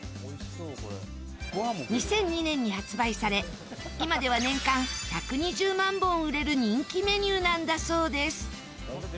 ２００２年に発売され今では年間１２０万本売れる人気メニューなんだそうです